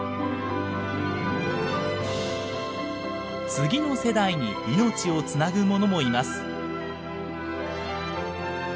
次の世代に命をつなぐものもいます。